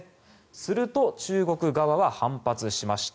すると、中国側は反発しました。